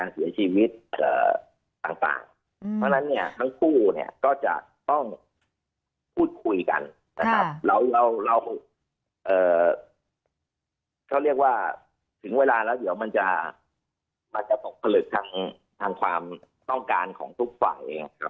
พูดคุยกันนะครับแล้วเราก็เรียกว่าถึงเวลาแล้วเดี๋ยวมันจะมันจะปกประหลึกทางความต้องการของทุกฝ่ายเองครับ